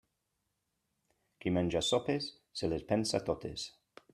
Qui menja sopes se les pensa totes.